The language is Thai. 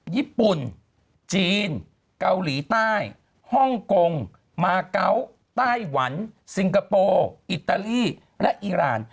ญี่ปุ่นจีนเกาหลีใต้ฮ่องกงมาเกาะไต้หวันซิงคโปร์อิตาลีและอีราน